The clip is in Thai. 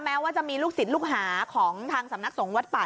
แม้ว่าจะมีลูกศิษย์ลูกหาของทางสำนักสงฆ์วัดป่า